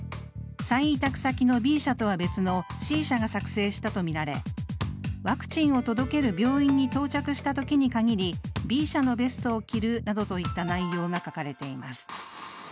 再委託先のＢ社とは別のＣ社が作成したとみられ、ワクチンを届ける病院に到着したときに限りＢ社のベストを着るなどといった内容が書かれています。